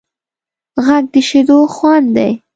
غږ د شیدو خوند دی